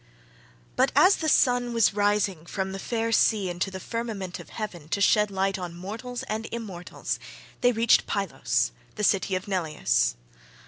but as the sun was rising from the fair sea24 into the firmament of heaven to shed light on mortals and immortals, they reached Pylos the city of Neleus.